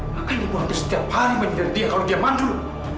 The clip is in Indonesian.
maka ibu harus setiap hari menjaga dia kalau dia mandul